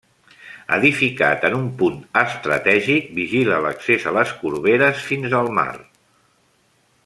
Edificat en un punt estratègic, vigila l'accés a les Corberes fins al mar.